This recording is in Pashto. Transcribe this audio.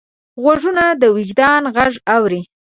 غوږونه د وجدان غږ اوري